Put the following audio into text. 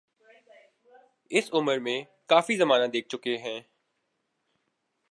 اس عمر میں کافی زمانہ دیکھ چکے ہیں۔